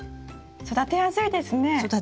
育てやすいですよ。